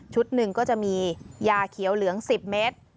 หนึ่งก็จะมียาเขียวเหลือง๑๐เมตร